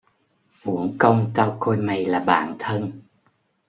Uổng công tao coi Mày là bạn thân